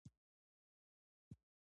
هوږه د فشار لپاره ښه ده